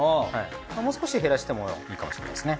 もう少し減らしてもいいかもしれないですね。